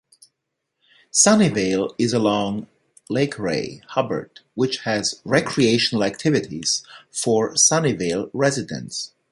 Sunnyvale is along Lake Ray Hubbard, which has recreational activities for Sunnyvale residents.